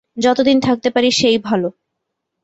যতদিন থাকতে পারি সেই ভালো।